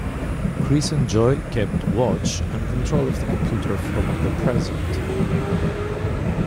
Chris and Joy kept watch and control of the computer from the present.